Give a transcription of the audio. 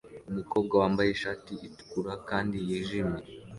Umukobwa wambaye ishati itukura kandi yijimye